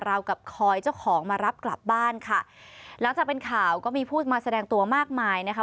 เรากับคอยเจ้าของมารับกลับบ้านค่ะหลังจากเป็นข่าวก็มีผู้มาแสดงตัวมากมายนะคะ